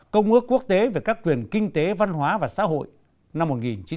công ước quốc tế về các quyền kinh tế văn hóa và xã hội năm một nghìn chín trăm tám mươi hai